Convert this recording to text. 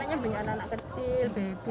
katanya banyak anak anak kecil baby